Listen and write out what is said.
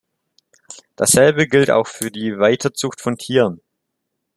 Dasselbe gilt auch für die Weiterzucht von Tieren.